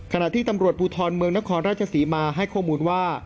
ขณะที่ตำรวจภูทรเมืองนครราชศรีมาให้ข้อมูลว่า